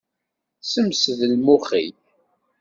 Semsed lmux-ik.